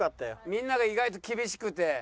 みんなが意外と厳しくて。